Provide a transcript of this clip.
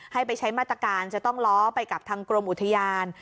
ให้ไปใช้มาตรการจะต้องล้อไปกับทางกรมอุทยาน